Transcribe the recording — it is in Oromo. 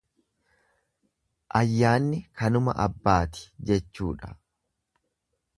Ayyanni kanuma abbaati jechuudha.